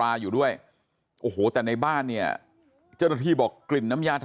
แล้วก็ยัดลงถังสีฟ้าขนาด๒๐๐ลิตร